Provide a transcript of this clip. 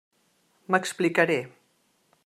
M'explicaré.